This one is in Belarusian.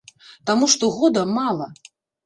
Таму што года мала.